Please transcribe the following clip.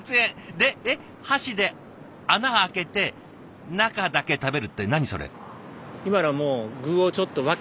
で箸で穴開けて中だけ食べるって何それ？